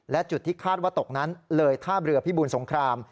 และจุดที่คาดว่าตกนั้นเลยท่าเรือพิบูลสงคราม